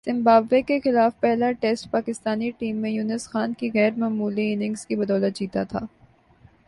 Zimbabwe کے خلاف پہلا ٹیسٹ پاکستانی ٹیم نے یونس خان کی غیر معمولی اننگز کی بدولت جیتا تھا